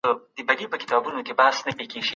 پوهه د انسان لاره روښانه کوي.